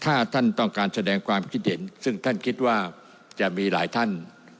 ถ้าท่านต้องการแสดงความคิดเห็นซึ่งท่านคิดว่าจะมีหลายท่าน